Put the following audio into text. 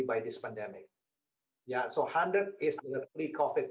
untuk membeli brompton untuk membeli rumput